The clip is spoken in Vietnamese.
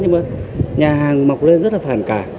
nhưng mà nhà hàng mọc lên rất là phản cảm